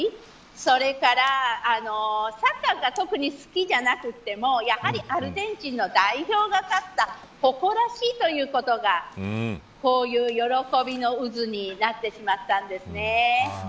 それからサッカーが特に好きじゃなくてもやはりアルゼンチンの代表が勝った誇らしいということがこういう喜びの渦になってしまったんですね。